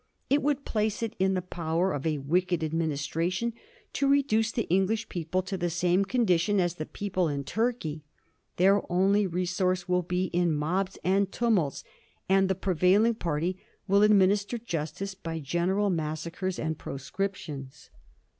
It would place it in the power of a wicked administra tion to reduce the English people to the same con dition as the people in Turkey ;* their only re source will be in mobs and tumults, and the pre vailing party will administer justice by general massacres and proscriptions.'